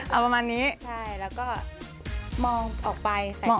เอาประมาณนี้ใช่แล้วก็มองออกไปใส่